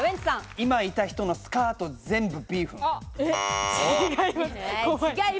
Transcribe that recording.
今いた人のスカート全部ビーフン。